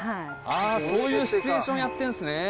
ああそういうシチュエーションやってんすね。